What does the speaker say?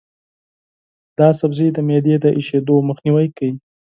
دا سبزی د معدې د سوزش مخنیوی کوي.